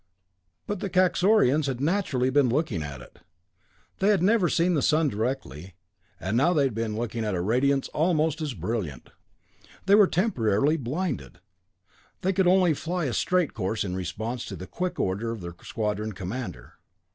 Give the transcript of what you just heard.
But the Kaxorians had naturally been looking at it. They had never seen the sun directly, and now they had been looking at a radiance almost as brilliant. They were temporarily blinded; they could only fly a straight course in response to the quick order of their squadron commander.